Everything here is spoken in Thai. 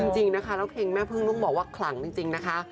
จริงนะคะแล้วเพลงแม่พึ่งต้องบอกว่าขลังจริงนะคะ